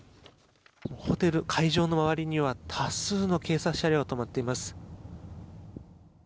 ホテル会場の周りには多数の警察車両が止まっています。